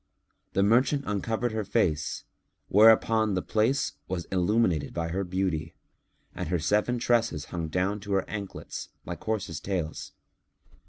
The merchant uncovered her face, whereupon the place was illumined by her beauty and her seven tresses hung down to her anklets like horses' tails.